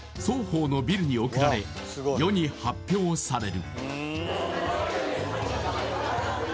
ＳＯＨＯのビルに送られ世に発表される